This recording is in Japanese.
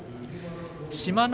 志摩ノ